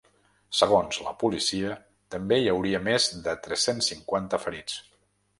Segons la policia, també hi hauria més de tres-cents cinquanta ferits.